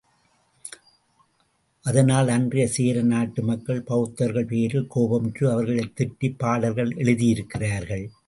அதனால் அன்றைய சேர நாட்டு மக்கள் பௌத்தர்கள் பேரில் கோபமுற்று அவர்களைத் திட்டிப் பாடல்கள் எழுதியிருக்கிறார்கள்.